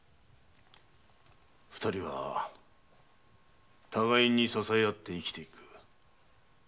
二人互いに支え合って生きている。